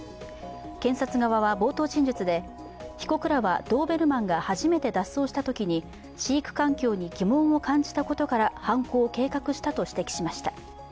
検察側は冒頭陳述で、被告らはドーベルマンが初めて脱走したときに飼育環境に疑問を感じたことから犯行を計画したと指摘しました。